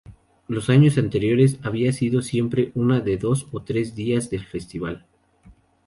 Los años anteriores había sido siempre una de dos o tres días del festival.